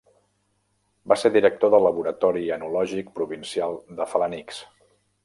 Va ser director de Laboratori Enològic Provincial de Felanitx.